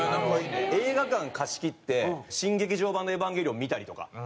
映画館貸し切って新劇場版の『エヴァンゲリオン』見たりとか。